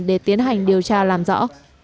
để tiến hành điều tra làm rõ